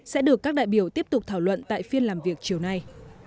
sẽ được các đại biểu tiếp tục thảo luận tại phiên làm việc chiều nay